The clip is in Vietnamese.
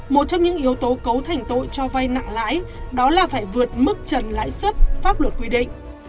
một trong những yếu tố cấu thành tội cho vay nặng lãi đó là phải vượt mức trần lãi xuất pháp luật quy định